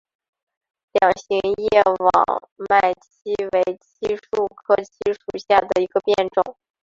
两型叶网脉槭为槭树科槭属下的一个变种。